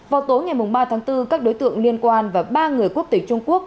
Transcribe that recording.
vào tối ngày ba tháng bốn các đối tượng liên quan và ba người quốc tịch trung quốc